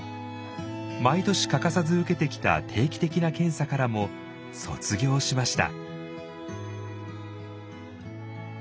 毎年欠かさず受けてきた定期的な検査からも卒業しました。